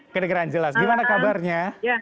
kedengeran jelas gimana kabarnya